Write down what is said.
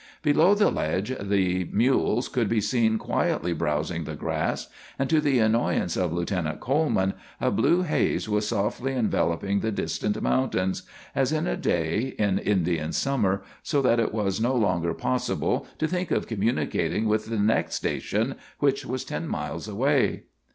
Below the ledge the mules could be seen quietly browsing the grass, and, to the annoyance of Lieutenant Coleman, a blue haze was softly enveloping the distant mountains, as in a day in Indian summer, so that it was no longer possible to think of communicating with the next station, which was ten miles away.